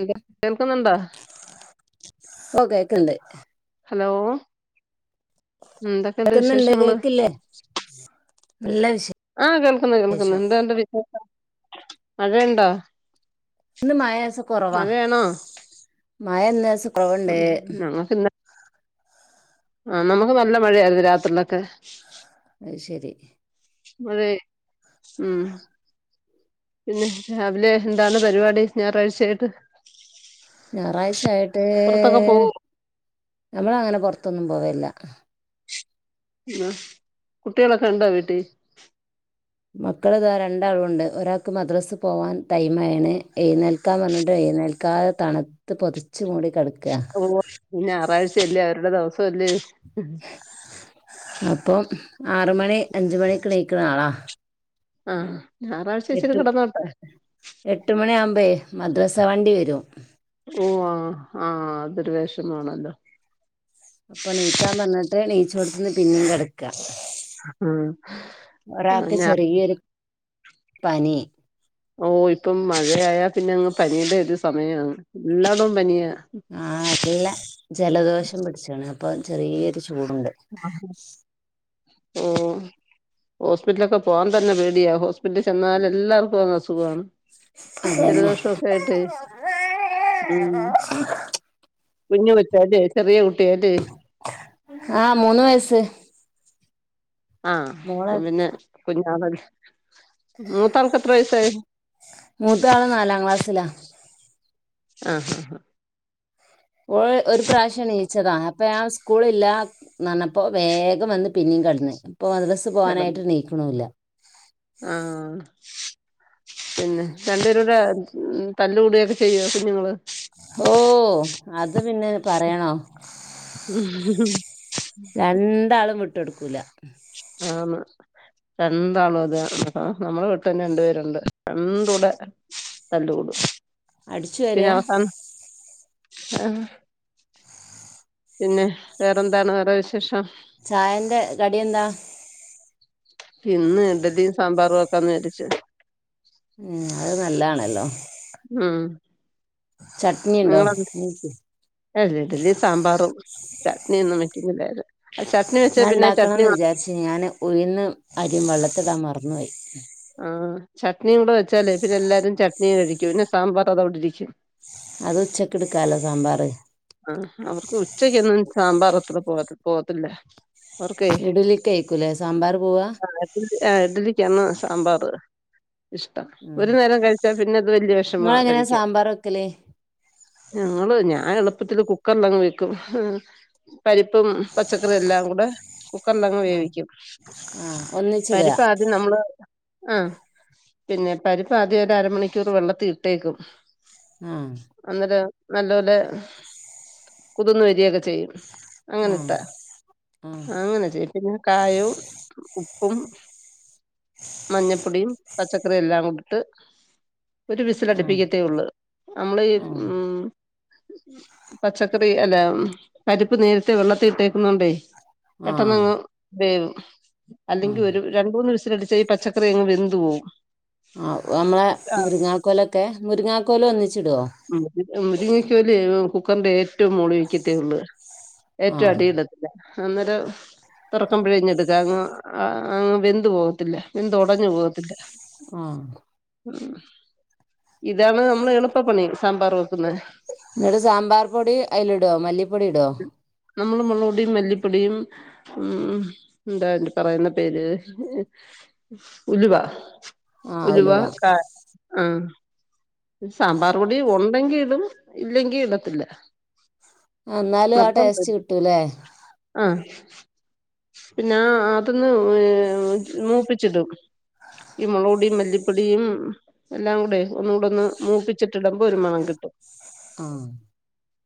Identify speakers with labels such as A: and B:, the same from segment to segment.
A: എന്ത കേൾക്കുന്നുണ്ടോ
B: ഓ കേക്കണ്ട്
A: ഹലോ എന്തൊക്കെയുണ്ട്
B: കേക്കുന്നു ഇണ്ട്
A: വിശേഷങ്ങള്
B: കേക്കില്ലേ നല്ല വിശേഷം
A: ആഹ് കേൾക്കുന്നു കേൾക്കുന്നു എന്തണ്ട് വിശേഷം മഴയുണ്ടോ
B: ഇന്ന് മഴ ലേസം കുറവാ
A: മഴയാണോ
B: മഴ ഇന്ന ദിവസ
A: ഉം ഞങ്ങക് ഇന്ന ആ നമുക്ക് നല്ല മഴയായിരുന്നു രാത്രിയിലൊക്കെ
B: അത് ശരി
A: അതെ ഉം പിന്നെ രാവിലെ എന്താണ് പരിപാടി ഞായറാഴ്ചയായിട്ട്
B: ഞായറാഴ്ച ആയിട്ട്
A: പുറത്തൊക്കെ പോവോ
B: നമ്മളങ്ങനെ പുറത്തൊന്നും പോവില്ല
A: ആ കുട്ടികളൊക്കെ ഒണ്ടോ വീട്ടി
B: മക്കൾ ഇതാ രണ്ടാളുണ്ട് ഒരാൾക്ക് മദ്രസ് പോവാൻ ടൈമായിണ് എഴുന്നേൽ ക്കാൻ പറഞ്ഞിട്ടും എഴ്നേൽക്കാതെ തണുത്ത് പൊതിച്ചു മൂടി കെടക്ക
A: ഓ പിന്നെ ഞായറാഴ്ചല്ലേ അവരുടെ ദിവസംല്ലേ
B: അപ്പോ ആറ് മണി അഞ്ചുമണിക്ക് എണീക്കണ ആളാ
A: ആഹ് ഞായറാഴ്ച്ച ഇച്ചിരി
B: എട്ട്
A: കിടന്നോട്ടെ
B: എട്ട് മണിയാകുമ്പെ മദ്രസ വണ്ടി വരും
A: ഓ ആ ആഹ അതൊരു വെഷമാണല്ലോ
B: അപ്പൊ ണിക്കാൻ പറഞ്ഞിട്ട് നീച്ചോടുത്ത്ട്ട്പിന്നും കിടക്കാ
A: ഉം ആ ഞാ
B: ചെറിയൊരു പനി
A: ഓ ഇപ്പം മഴയായ പിന്നെ അങ്ങ് പനിയുടെ ഒരു സമയാണ് എല്ലാടോം പനിയാ
B: ആ നല്ല ജലദോഷം പിടിച്ണ് അപ്പൊ ചെറിയൊരു ചൂടുണ്ട്
A: ഓ ഹോസ്പിറ്റലൊക്കെ പോവാൻ തന്നെ പേടിയാ ഹോസ് ഹോസ്പിറ്റലിൽ ചെന്നാൽ എല്ലാർക്കും അ അസുഖമാണ്
B: അതന്നെ
A: ജലദോഷൊക്കെ ആയിട്ടേ ഉം കുഞ്ഞു കൊച്ചല്ലേ ചെറിയ കുട്ടിയല്ലേ
B: ആഹ മുന്നു വയസ്
A: ആ അപ്പൊ പിന്നെ കുഞ്ഞാണല്ലോ മൂത്താൾക്ക് എത്ര വയസ്സായി
B: മൂത്താള് നാലാം ക്ലാസ്സിലാ
A: ആഹ ആഹ ആ
B: ഓള് ഒരു പ്രാവശ്യം നീച്ചതാ അപ്പൊ ഞാൻ സ്കൂള് ഇല്ല നന്നപ്പോ വേഗം വന്ന് പിന്നേം കിടന്ന് ഇപ്പൊ മദരസ്സ് പോവാനായിട്ട് നീക്ക്‌ണുംല്ല
A: ആഹ പിന്നെ രണ്ട്പേരൂടെ ഉ തല്ലുകൂടയൊക്കെ ചെയ്യോ കുഞ്ഞുങ്ങള്
B: ഓ അത് പിന്നെ പറയണോ
A: ഉം
B: രണ്ടാളും വിട്ടൊടുക്കൂല
A: ആന്ന് രാണ്ടാളും അതെ ആഹ നമ്മടെ വീട്ടിലും രണ്ടു പേരുണ്ട് രണ്ടുടെ തല്ല് കൂടും
B: അടിച്ചു
A: പിന്നെ
B: വാരാ
A: അവസാനം ആഹ പിന്നെ വേറെന്താണ് വേറെ വിശേഷം
B: ചായന്റെ കടി എന്താ
A: ഇന്ന് ഇടലിയും സാമ്പാറും ആക്കന്ന് വിചാരിച്ചു
B: ഉം അത് നല്ലതാണല്ലോ
A: ഉം
B: ചട്നി ഉണ്ടോ
A: നിങ്ങളെ
B: ണിക്ക്‌
A: അല്ല ഇഡിലിം സാമ്പാറും ചട്നി ഒന്നും വക്കുന്നില്ലേ അത്
B: ഞാണ്ടാക്കണന്ന് വിജാരിച്ന് ഞാന് ഉഴിന്ന് അരിയും വെള്ളത്തിടാൻ മറന്നോയ്.
A: ആ ചട്നിവടെ വെച്ചാല് പിന്നെല്ലാരും ചട്നിയേകഴിക്കൂ പിന്നെ സാമ്പാറതവ്ടിരിക്കും
B: അതുച്ചക്ക്ട്ക്കാല്ലോ സാമ്പാറ്
A: ആഹ് അവർക്ക് ഉച്ചക്കൊന്നും സാമ്പാറ് അത്ര പോവാത് പോവത്തില്ല
B: ഇഡലിക്കായ്ക്കൂലേ സാമ്പാറ് പോവാ
A: ആഹ് ഇഡ്ലിക്കാണ് സാമ്പാറ്. ഇഷ്ട ഒരു നേരം കഴിച്ചാ പിന്നത് വല്ല്യ വെഷ്മാ
B: നിങ്ങളെങ്ങനെയാ
A: കഴിക്കാൻ
B: സാമ്പാർ വെക്കല്
A: ഞങ്ങള് ഞാൻ എളുപ്പത്തില് കുക്കർല്ലങ് വെക്കും ഹ് പരിപ്പും പച്ചക്കറിയെല്ലാ കൂടെ കുക്കർലങ്ങ്
B: ആ
A: വേവിക്കും.
B: ആ ഒന്നിച്ചിടുക
A: പരിപ്പാ- ദ്യം നമ്മള് ആഹ് പിന്നെ പരിപ്പ് ആദ്യം ഒരരമണിക്കൂറ് വെള്ളത്തിട്ടേക്കും.
B: ആഹ്
A: അന്നേരം നല്ലപോലെ കുതിന്ന് വരികേക്കെ ചെയ്യും. അങ്ങനെ
B: ആ
A: ഇട്ടാ
B: ആ ആ
A: ആഹ് അങ്ങനെ ചെയ്യ് പിന്നെ കായോം ഉപ്പും മഞ്ഞപ്പൊടിയും പച്ചക്കറിയും ല്ലാം കൊടിട്ട് ഒരു വിസലടിപ്പിക്കത്തേ ഒള്ള് നമ്മള് ഈ
B: ആ
A: ഉം പച്ചക്കറി അല്ലാ മ് പരിപ്പ് നേരിത്തെ വെള്ളത്തിട്ടേക്കുന്നോണ്ടേ
B: ആ ആ
A: പെട്ടെന്നങ്ങ് വേവും. അല്ലെങ്കി ഒരു രണ്ട് മൂന്ന് വിസിലടിച്ചാ ഈ പച്ചക്കറി അങ്ങ് വെന്ത്വോവും
B: ഓ നമ്മളെ മുരിങ്ങാക്കോലൊക്കെ മുരിങ്ങാക്കോല് ഒന്നിച്ചിടോ?
A: മുരിങ്ങക്കോല് കുക്കറിന്റെ ഏറ്റോം മോളിവെക്കത്തേ ഒള്ള്
B: ആ
A: ഏറ്റോം അടീലി - ല്ലാ അന്നെരം തൊറക്കുമ്പഴേഞ്ഞെടുക്കാങ്ങ് അങ്ങ് വെന്ത്വോവത്തില്ല വെന്ത്‌ ഒടഞ്ഞ് പോവത്തില്ല.
B: ആഹ്
A: ഉം ഇതാണ് നമ്മള് എളുപ്പപ്പണി സാമ്പാറ് വെക്കുന്നേ
B: എന്നിട്ട് സാമ്പാർപൊടി അയ്ലിടോ മല്ലിപ്പൊടി ഇടോഹ്?
A: നമ്മള് മൊളോടീം മല്ലിപ്പൊടീം ഉം എന്താല് പറയുന്ന പേര് ഉലുവ ഉലുവ കാ ആഹ് സാമ്പാറ്പൊടി ഒണ്ടെങ്കി ഇടും ഇല്ലെങ്കി ഇടത്തില്ല
B: ആ ന്നാലും ആ ടേസ്റ്റ്
A: നിർബന്ധമില്ല
B: കിട്ടൂ ലെ
A: ആഹ് പിന്നാ അതൊന്ന് ഏ മൂപ്പിച്ചിടും. ഈ മൊളോടീം മല്ലിപ്പൊടിം എല്ലാം കൂടെ ഒന്നൂടെ ഒന്ന് മൂപ്പിച്ചിട്ട് ഇടുമ്പോ ഒരു മണം കിട്ടും
B: ആഹ്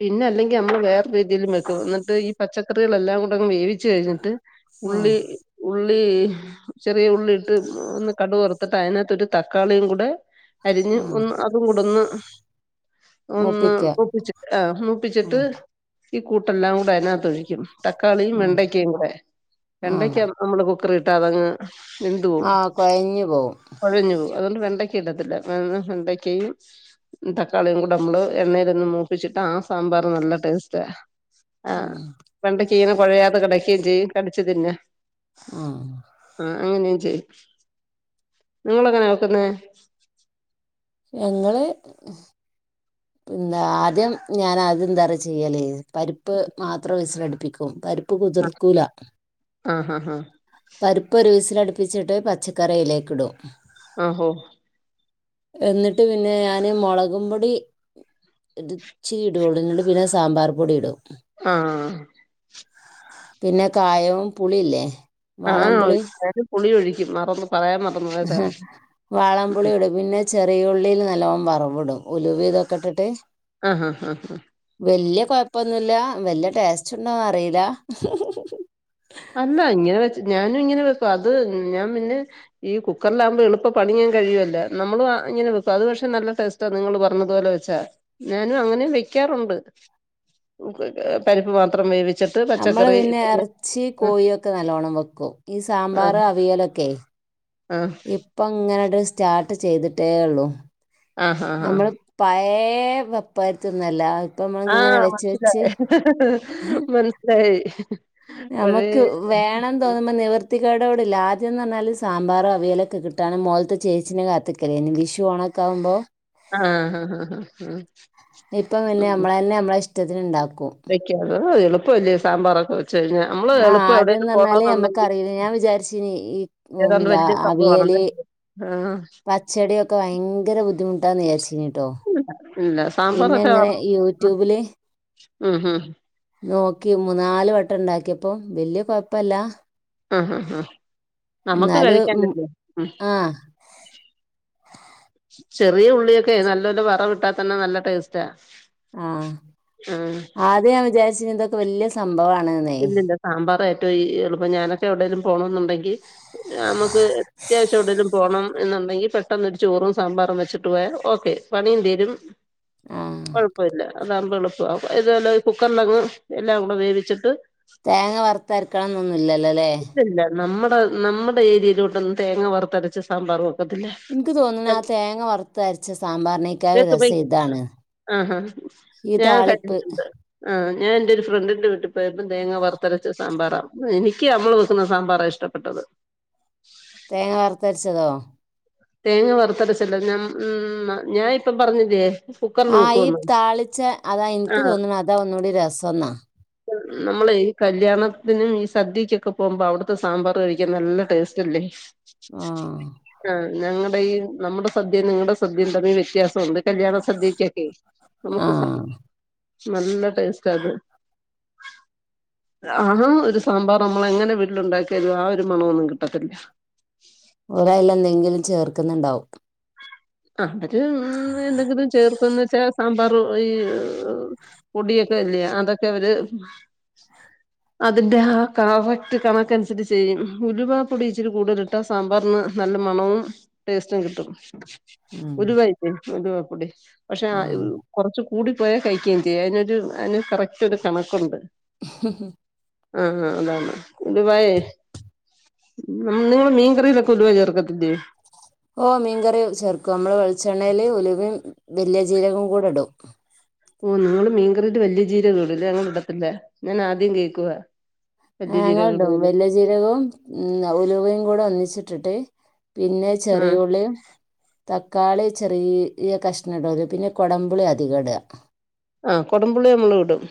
A: പിന്നല്ലെങ്കി നമ്മള് വേർരീതീലും വെക്കും. ന്നിട്ട് ഈ പച്ചക്കറികളെല്ലാം കൂടങ് വേവിച്ച് കഴിഞ്ഞിട്ട്
B: ആ
A: ഉള്ളി ഉള്ളീഹ് ചെറിയ ഉള്ളിട്ട് ഒന്ന് കടു വർത്തിട്ട് അയ്നാത്തോട്ട് തക്കാളിയും കുടെ അരിഞ്ഞ്
B: ആ
A: ഒന്ന് അതും കൂടന്ന് ഒന്ന്
B: മൂപ്പിക്ക
A: മുപ്പിച്ച് ആഹ്
B: ഉം
A: മുപ്പിച്ചിട്ട് ഈ കൂട്ടെല്ലാം കൂടെ അയ്നാത്തൊഴിക്കും. തക്കാളിയും
B: ഉം
A: വെണ്ടയ്ക്കയും കൂടെ
B: ഉം
A: വെണ്ടയ്ക്ക നമ്മള് കുക്കറിട്ടാ അതങ്ങ് വെന്തോവും.
B: ആ കൊഴഞ്ഞു പോവും
A: കൊഴഞ്ഞോവും അതോണ്ട് വെണ്ടക്ക ഇടത്തില്ല [unintelligible] വെണ്ടക്കയും തക്കാളിയും കൂടെ നമ്മള് എണ്ണയിലൊന്ന് മൂപ്പിച്ചിട്ടാ ആ സാമ്പാറ് നല്ല ടേസ്റ്റ സ്റ്റാ. ആഹ്
B: ഉം
A: വെണ്ടക്കീന കുഴയാതെ കിടക്കേയും ചെയ്യും കടിച്ചു തിന്ന
B: ആഹ്
A: ആഹ് അങ്ങനെയും ചെയ്യും. നിങ്ങളെങ്ങനാ വെക്കുന്നേ?
B: ഞങ്ങള് പിന്നാ ആദ്യം ഞാനാദ്യംന്താറിയൊ ചെയ്യല് പരിപ്പ് മാത്രം വിസലടിപ്പിക്കും. പരിപ്പ് കുതിർക്കൂല.
A: ആഹ് ആഹ് ആഹ്
B: പരിപ്പ് ഒരു വിസിലടുപ്പിച്ചിട്ട് പച്ചക്കറിയിലേക്ക് ഇടും.
A: ആഹ് ഓഹ്
B: എന്നിട്ട് പിന്നെ ഞാന് മുളകും പൊടി. ഒരു ഇച്ചി ഇടുവോളു എന്നിണ്ട് പിന്നെ സാമ്പാർ പൊടി ഇടും.
A: ആഹ്
B: പിന്നെ കായവും പുളിയില്ലേ.
A: ആഹ്
B: വാളൻപുളി
A: ഞാനും പുളി ഒഴിക്കും. മറന്ന് പറയാൻ മറന്ന്.
B: വാളൻ പുളിയിടും പിന്നെ. ചെറിയ ഉള്ളിയിൽ നലോണം വറവ് ഇടും ഉലുവ് ഇതൊക്കെ ഇട്ടിട്ട്.
A: ആഹ് ഹാ ഹാ ഹാ
B: വല്യ കൊഴപ്പൊന്നുല്ല. വല്യ ടേസ്റ്റ് ഉണ്ടോന്ന് അറിയില്ല. [inaudible]
A: അല്ലാ, ഇങ്ങനെ വെ ഞാനും ഇങ്ങനെ വെക്കും. അത് ഞാൻ പിന്നെ. ഈ കുക്കറിലാകുമ്പോ എളുപ്പ പണി വേഗം കഴിയുല്ലോ. നമ്മള് ഇങ്ങനെ വെക്കും അത് പക്ഷെ നല്ല ടേസ്റ്റ് ത് നിങ്ങള് പറഞ്ഞതു പോലെ വെച്ചാ, ഞാനും അങ്ങനെ വെക്കാറുണ്ട്. പരിപ്പ് മാത്രം വേവിച്ചിട്ട് പച്ചക്കറി. പിന്നെ
B: ച്ചി, കോഴി ഒക്കെ നല്ലോണം വെക്കും. ഈ സാമ്പാർ
A: ആഹ്
B: അവിയലൊക്കെ.
A: ആഹ്
B: ഇപ്പ അങ്ങാട് സ്റ്റാർട്ട് ചെയ്തിട്ടേ ഉള്ളു
A: ആഹ് ആഹ് ആഹ്
B: നമ്മള്
A: ആഹ്
B: പഴയെ വെപ്പ്ക്കാരിത്തിയൊന്നല്ല.
A: ആഹ് മനസിലായി മനസിലായി.
B: നമുക്ക് വേണം. തോന്നുമ്പോ നിവർത്തികേടോട് ഇല്ല. ആദ്യം എന്ന്‌ പറഞ്ഞാല് സാമ്പാറും അവിയലൊക്കെ കിട്ടാണ് മോലത്തെ ചേച്ചിനെ കാത്ത് വിഷു ഓണം ഒക്ക ആവുമ്പോ.
A: ആഹ് ഹാ ഹാ ഹാ ഹ് ഹ്
B: എന്നെ നമ്മള്. ഇഷ്‌ടത്തിന് ഉണ്ടാക്കും
A: എളുപ്പമല്ലേ, സാമ്പാറക്കെ വച്ച് കഴിഞ്ഞാൽ. നമ്മള്
B: ആ
A: എളുപ്പം എവിടെലും
B: ആദ്യംന്ന് പറഞ്ഞാല്
A: പോണന്നുണ്ടെങ്കിൽ
B: നമ്മക്കറിയില്ല ഞാൻ വിചാരിച്ചീനി ഈ ഉം,
A: ഏതാണ്ട്
B: എന്താ
A: വലിയ
B: അവിയല്
A: സംഭവമാണല്ലെ. ആഹ്
B: പച്ചടിയൊക്കെ ഭയങ്ക ബുദ്ധിമുട്ടാന്ന് വിചാരിച്ച് ഞാൻ. ട്ടോ,
A: ഇല്ല
B: പിന്നെ
A: സാമ്പാറൊക്കെ
B: എങ്ങനെ യൂട്യൂബില്.
A: ഉം ഉം
B: നോക്കി മൂന്നാല് വട്ടം ഉണ്ടാക്കിയപ്പം വല്യ കൊഴപ്പല്ല.
A: ആഹ് ആഹ് ആഹ് നമുക്ക്
B: എന്നാലും മ്
A: കഴിക്കാനല്ലേ ഉം
B: ആ.
A: ചെറിയ ഉള്ളിയൊക്കെ നല്ലോലെ വറവിട്ടാ തന്നെ നല്ല ടേസ്റ്റാ.
B: ആഹ്
A: ഉം
B: ആദ്യം ഞാൻ വിചാരിച്ച് ഇന്തൊക്കെ വല്യ സംഭവമാണന്നേ.
A: സാമ്പാറ് ഏറ്റവും ഈ എള്ളൂപ്പം ഞാനൊക്കെ എവിടെലും പോണം എന്നുണ്ടെങ്കിൽ നമുക്ക് അത്യാവശ്യം എവിടെലും പോകണം എന്നുണ്ടെങ്കിൽ പെട്ടെന്ന് ഒരു ചോറും സാമ്പാറും വെച്ചിട്ട് പോയാ ഓക്കെ പണിയും തീരും.
B: [inaudible]
A: കുഴപ്പമില്ല, അതാകുമ്പോ എളുപ്പമാ ഇതല്ലാം ഈ കുക്കറിലങ്ങ് എല്ലാം കൂടെ വേവിച്ചിട്ട്.
B: തേങ്ങ വറുത്തരക്കണം എന്നൊന്നുമില്ലല്ലോല്ലേ.
A: ഇല്ല, നമ്മുടെ നമ്മുടെ ഏരിയയിലോട്ടൊന്നും തേങ്ങ വറുത്തരച്ച് സാമ്പാറും.
B: എനിക്ക് തോന്നുന്നു, ആ തേങ്ങ വറുത്ത് അരച്ച സാമ്പാറിനേക്കാളും രസം ഇതാണ്.
A: ആഹ് ആഹ്
B: ഈ
A: ഞാൻ
B: താളിപ്പ്
A: കണ്ടിട്ടുണ്ട്. ആ ഞാൻ എന്റെ ഒരു ഫ്രണ്ടിന്റെ വീട്ടിൽ പോയി. തേങ്ങ വറുത്തരച്ച സാമ്പാറാ. എനിക്ക് അവള് വെക്കുന്ന സാമ്പാറാ ഇഷ്ടപ്പെട്ടത്.
B: തേങ്ങ വറുത്തരച്ചതോ.
A: തേങ്ങ വറുത്തരച്ചല്ല ഞം മ് ഞാൻ ഇപ്പം പറഞ്ഞില്ലേ. കുക്കറിൽ
B: ആഹ് ഈ
A: വെക്കുവെന്ന്
B: താളിച്ച അതാ എനിക്ക് തോന്നുന്നുഅതാ ഒന്നുകൂടി രസംന്നാ
A: നമ്മള് ഈ കല്യാണത്തിനും ഈ സദ്യക്കൊക്കെ പോകുമ്പോ അവിടുത്തെ സാമ്പാർ കഴിക്കാൻ നല്ല ടേസ്റ്റ് റ്റല്ലേ
B: ആഹ്
A: ആ ഞങ്ങളുടെ ഈ നമ്മുടെ സദ്യയും നിങ്ങളുടെ സദ്യയും തമ്മിൽ വ്യത്യാസം ഉണ്ട് കല്യാണം സദ്യക്കൊക്കെ
B: ആ
A: നമുക്ക് നല്ല ടേസ്റ്റ് അത് അതും ഒരു സാമ്പാർ നമ്മൾ എങ്ങനെ വിട്ടില് ഉണ്ടാക്കിയാലു ആ ഒരു മണൊന്നും കിട്ടത്തില്ല
B: ഓര് അയിലെ എന്തെങ്കിലും ചേർക്കുന്നുണ്ടാവും
A: ഇന്നട്ട് ഇന്ന് എന്തെങ്കിലും ചേർക്ക ന്ന് വെച്ചാൽ സാമ്പാർ ഈ പൊടിയൊക്കെ ഇല്ലേ അതൊക്കെ അവര് അതിന്റെ ആ കറക്റ്റ് കണക്കനുസരിച്ച് ചെയ്യും ഉലുവപ്പൊടി ഇച്ചിരി കൂടുതൽ ഇട്ട സാമ്പാറിന് നല്ല മണവും ടേസ്റ്റും കിട്ടും
B: ഉം
A: ഉലുവായില്ലേ ഉലുവപ്പൊടി പക്ഷെ
B: ആ
A: കൊറച്ച് കൂടി പോയാ കയിക്കുകയും ചെയ്യു അതിനൊരു അതിന് കറക്റ്റ് ഒരു കണക്കുണ്ട്
B: മ്ഹ ഹ
A: ആഹ് അതാണ് ഉലുവായെ നിങ്ങള് മീൻ കറിയിലൊക്കെ ഉലുവ ചേർക്കത്തില്ലയോ
B: ഓ മീൻകറി ചേർക്കും നമ്മള് വെളിച്ചെണ്ണൽ ഉലുവയും വലിയ ജീരവും കൂടെ ഇടും
A: ഓ നിങ്ങള്ൾ മീൻകറിയില് വലിയ ജീരകം ഇടു ഇല്ലേ ഞങ്ങൾ ഇടത്തില്ല ഞാൻ ആദ്യം കേൾക്കുവ
B: ആ ഞങ്ങള് ഇടുംവലിയ ജീരകവും ഉലുവയും കൂടെ ഒന്നിച്ചിട്ടിട്ട് പിന്നെ
A: ആ
B: ചെറിയുള്ളിയും തക്കാളി ചെറിയ കെഷ്ണണം ഇടുംപിന്നെ കുടമ്പുളി അധികം ഇടുക
A: ആ കൊടമ്പപുള്ളി നമ്മളും ഇടും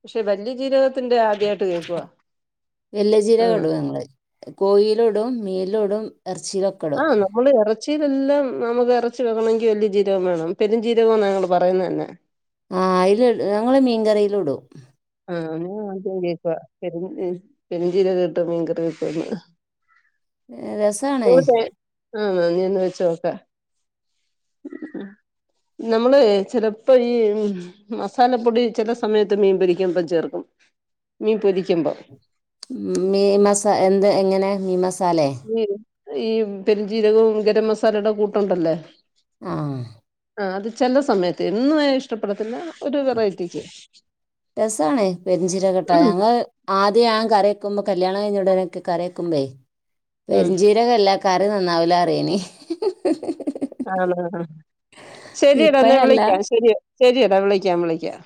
A: പക്ഷെ വല്യജീരകത്തിന്റെ ആദ്യമായിട്ട്
B: വല്ലചീരകം ഇടും ങ്ങങ്ങള് കോയിലിടും മീനിലും ഇടും ഇറച്ചിയിലൊക്കെ ഇടും
A: ആഹ് നമ്മള് ഇറ, ഇത് എല്ലാം നമുക്ക് ഇറച്ചി വെക്കണമെങ്കിൽ വലിയ ജീരകവും വേണം പെരും ജീരകം എന്നാ ഞങ്ങള് പറയുന്നത്തന്നെ
B: ആഹ് അയില് ഇടും ഞങ്ങള് മീൻകറില് ഇടും
A: ഞാനും ആദ്യം കേക്കുക പെരിഞ്ചീരകം ഇട്ട് മീൻകറി വെയ്ക്കുന്നേ
B: രസാണ്
A: [unintelligible] അങ്ങനെ വെച്ച്നോക്കാം ഉ ഉ നമ്മള് ചിലപ്പോ ഈ മസാലപ്പൊടി ചില സമയത്ത് മീൻ പൊരി [unintelligible] ചെർക്കും മീ പൊരിക്കുമ്പോ
B: മീ മസ എന്ത് എങ്ങനെ മീൻ മസാലേ
A: ഈ ഈ പെരും ജീരകവും ഗരം മസാലയുടെ കൂട്ടുണ്ടല്ലേ
B: ആ
A: ആഹ് അത് ചെല്ല സമയത്ത് എന്നും ആയാ ഇഷ്ടപ്പെടത്തില്ല ഒരു വെറൈറ്റിക്ക്
B: രസണ് പെരിഞ്ചിരകം ഇട്ടാ
A: ഉം
B: ഞങ്ങള് ആദ്യം ഞാൻ കറിയക്കുമ്പോ കല്യാണണം കഴിഞ്ഞ ഉടനൊക്കെ കറിയാക്കുമ്പേ
A: ഉം
B: പെരിഞ്ചീരി [unintelligible] കാറി നന്നാവൂല പറിയെനി
A: ആണ ശരിയടാ എന്നാ
B: ഇപ്പോഴല്ല
A: വിളിക്കാം ശരി ശരിയടാ വിളിക്കാം വിളിക്കാം